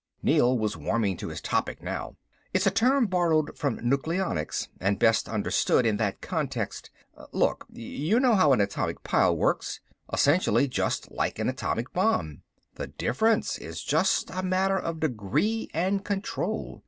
Neel was warming to his topic now. "It's a term borrowed from nucleonics, and best understood in that context. Look, you know how an atomic pile works essentially just like an atomic bomb. The difference is just a matter of degree and control.